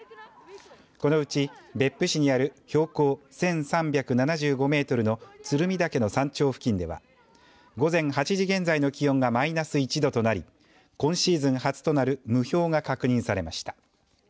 このうち、別府市にある標高１３７５メートルの鶴見岳の山頂付近では午前８時現在の気温がマイナス１度となり今シーズン初となる霧氷が確認されました。